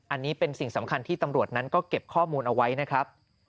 อันนี้เป็นสิ่งสำคัญที่ตำรวจนั้นก็เก็บข้อมูลเอาไว้นะครับ